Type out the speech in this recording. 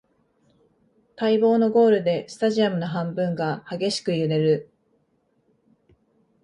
待望のゴールでスタジアムの半分が激しく揺れる